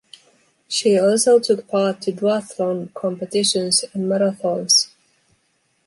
She also took part to duathlon competitions and marathons.